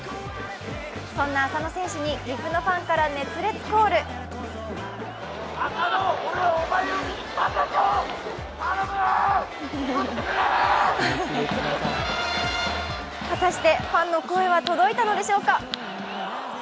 そんな浅野選手に岐阜のファンから熱烈コール果たしてファンの声は届いたのでしょうか？